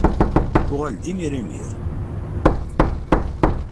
Uɣal-d imir imir!